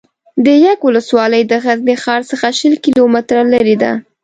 ده یک ولسوالي له غزني ښار څخه شل کیلو متره لري ده